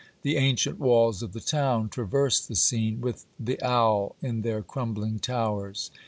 The ancient walls of the town traversed the scene, with the owl in their crumbling towers.